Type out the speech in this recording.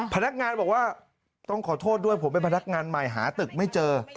พนักงานบอกว่าต้องขอโทษด้วยผมเป็นพนักงานใหม่หาตึกไม่เจอ